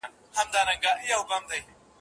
چي زړېږم مخ مي ولي د دعا پر لوري سم سي